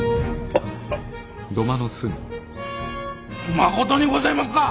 まことにごぜますか！